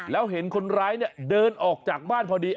แล้วเห็นคนร้ายเนี่ยเดินออกจากบ้านพอดี